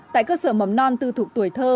tại cơ sở mầm non tư thục tuổi thơ